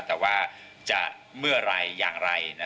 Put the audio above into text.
แต่ว่าจะเมื่อไหร่อย่างไร